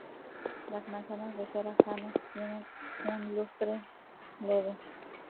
Las manzanas de cera sanos tienen un lustre leve.